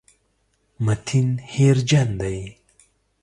متین هېرجن دی.